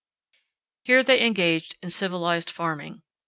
Here they engaged in civilized farming.